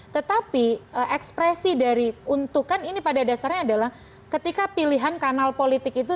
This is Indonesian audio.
tetapi ekspresi dari untukan ini pada dasarnya adalah ketika pilihan kanal politik itu